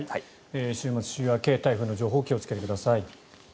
週末、週明け台風の情報に気をつけてください。